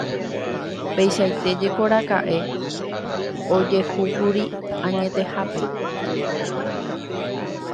Peichaitéjekoraka'e ojehúkuri añetehápe.